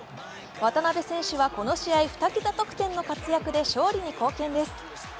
渡邊選手はこの試合、２桁得点の活躍で勝利に貢献です。